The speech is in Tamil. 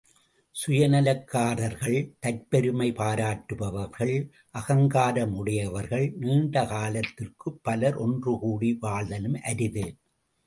சுயநலக்காரர்கள், தற்பெருமை பாராட்டுபவர்கள், அகங்காரம் உடையவர்கள் நீண்ட காலத்திற்குப் பலர் ஒன்று கூடி வாழ்தலும் அரிது!